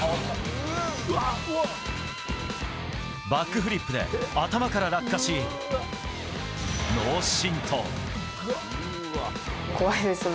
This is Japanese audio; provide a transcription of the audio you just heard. バックフリップで頭から落下し脳震盪。